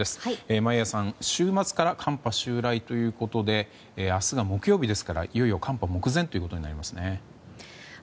眞家さん、週末から寒波襲来ということで明日が木曜日ですからいよいよ寒波目前ということになりますね。